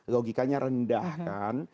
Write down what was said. logikanya rendah kan